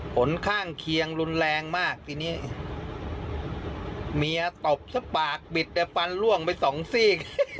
ผลข้างเคียงรุนแรงมากทีนี้เมียตบซะปากบิดแต่ฟันล่วงไปสองซีก